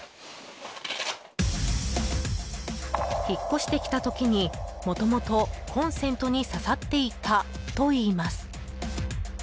引っ越してきた時にもともとコンセントにささっていたといいます。